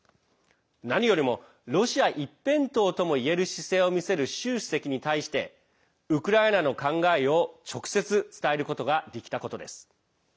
何よりもロシア一辺倒ともいえる姿勢を見せる習主席に対してウクライナの考えを直接伝えることができたことです。